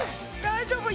大丈夫？